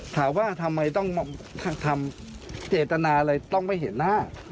ถามว่าทำไมต้องทำเจตนาอะไรต้องไม่เห็นหน้า